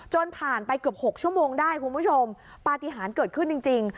ผ่านไปเกือบหกชั่วโมงได้คุณผู้ชมปฏิหารเกิดขึ้นจริงจริง